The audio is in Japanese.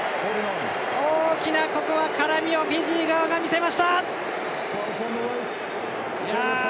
大きな絡みをフィジーが見せました。